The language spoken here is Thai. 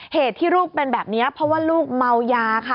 เหตุที่ลูกเป็นแบบนี้เพราะว่าลูกเมายาค่ะ